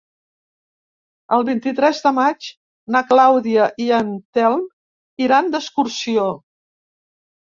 El vint-i-tres de maig na Clàudia i en Telm iran d'excursió.